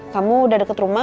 kamu udah deket rumah